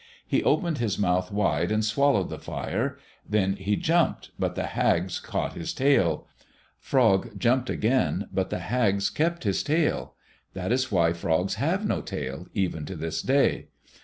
He opened his mouth wide and swallowed the fire. Then he jumped but the hags caught his tail. Frog jumped again, but the hags kept his tail. That is why Frogs have no tail, even to this day.